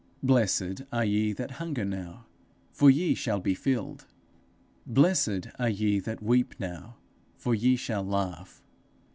Blessed are ye that hunger now, for ye shall be filled. Blessed are ye that weep now, for ye shall laugh.